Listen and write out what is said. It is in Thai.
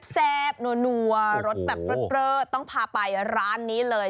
แซ่บนัวรสแบบเลิศต้องพาไปร้านนี้เลย